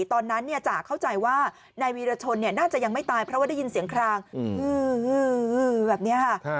จ้าเข้าใจว่านายวีรชนน่าจะยังไม่ตายเพราะว่าได้ยินเสียงคลางแบบนี้ค่ะ